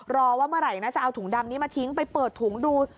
รอว่าเมื่อไหร่นะจะเอาถุงดำนี้มาทิ้งไปเปิดถุงดู